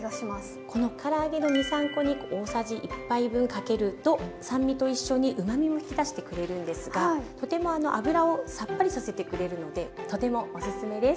このから揚げの２３コに大さじ１杯分かけると酸味と一緒にうまみも引き出してくれるんですがとても油をさっぱりさせてくれるのでとてもおすすめです。